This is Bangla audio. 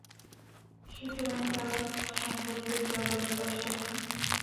সুতরাং তারা তোমার সম্পর্কে যা বলে তা সত্য।